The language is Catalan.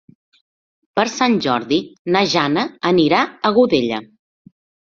Per Sant Jordi na Jana anirà a Godella.